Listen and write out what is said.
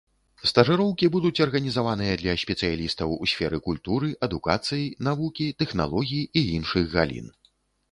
Стажыроўкі будуць арганізаваныя для спецыялістаў у сферы культуры, адукацыі, навукі, тэхналогій і іншых галін.